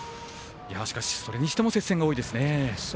しかし、それにしても接戦が多いですね。